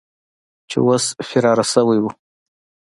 چې اوس فراره سوي وو.